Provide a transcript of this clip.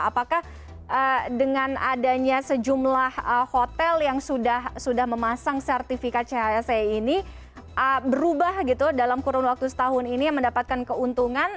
apakah dengan adanya sejumlah hotel yang sudah memasang sertifikat chse ini berubah gitu dalam kurun waktu setahun ini mendapatkan keuntungan